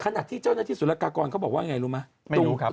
ขณะที่เจ้านักธิสุรกากรก็บอกว่าอย่างไรรู้มั้ย